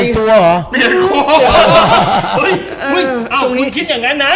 คุณคิดอย่างงั้นนะ